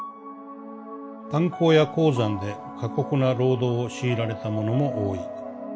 炭鉱や鉱山で過酷な労働を強いられた者も多い。